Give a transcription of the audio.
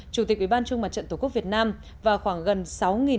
chủ tịch ủy ban trung mặt trận tổ quốc việt nam và khoảng gần sáu đại biểu